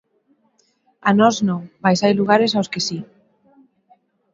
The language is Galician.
A nós, non; mais hai lugares aos que si.